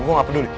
gue gak peduli